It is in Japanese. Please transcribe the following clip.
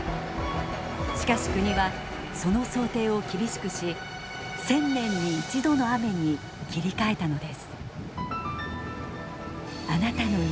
しかし国はその想定を厳しくし１０００年に１度の雨に切り替えたのです。